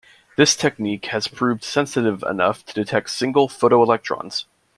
This technique has proved sensitive enough to detect single photoelectrons.